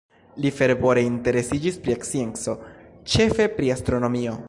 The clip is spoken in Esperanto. Li fervore interesiĝis pri scienco, ĉefe pri astronomio.